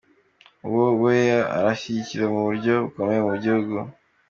Uwo Weah arashyigikiwe mu buryo bukomeye mu gihugu.